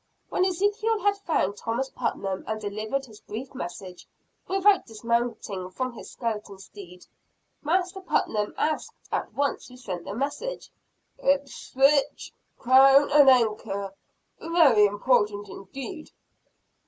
When Ezekiel had found Thomas Putnam and delivered his brief message, without dismounting from his skeleton steed, Master Putnam asked at once who sent the message. "Ipswich. Crown and Anchor. Very important indeed!